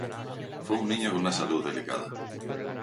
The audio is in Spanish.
Fue un niño con una salud delicada.